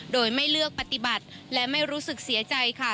โดยไม่เลือกปฏิบัติและไม่รู้สึกเสียใจค่ะ